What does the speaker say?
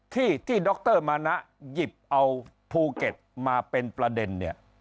ที่ที่ดรมานะหยิบเอาภูเก็ตมาเป็นประเด็นเนี่ย